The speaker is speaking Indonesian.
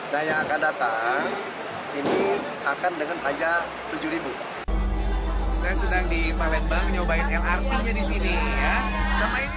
nah yang akan datang ini akan dengan pajak rp tujuh